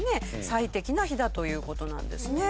最適な日だという事なんですね。